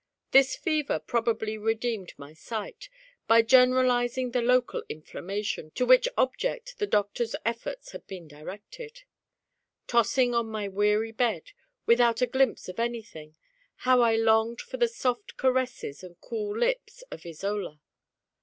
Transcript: This fever probably redeemed my sight, by generalizing the local inflammation, to which object the doctor's efforts had been directed. Tossing on my weary bed, without a glimpse of anything, how I longed for the soft caresses and cool lips of Isola!